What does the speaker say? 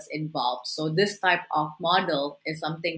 jadi model ini adalah sesuatu yang